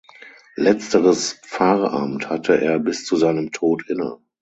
Letzteres Pfarramt hatte er bis zu seinem Tod inne.